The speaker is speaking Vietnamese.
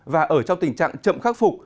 và ở trong tình trạng chậm khắc phục